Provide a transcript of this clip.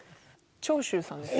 長州さんですね。